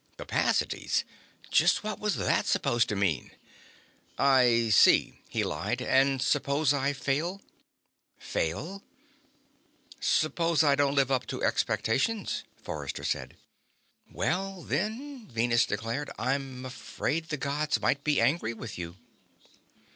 Capacities? Just what was that supposed to mean? "I see," he lied. "And suppose I fail?" "Fail?" "Suppose I don't live up to expectations," Forrester said. "Well, then," Venus declared, "I'm afraid the Gods might be angry with you."